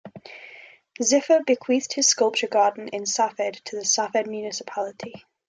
Ziffer bequeathed his sculpture garden in Safed to the Safed Municipality.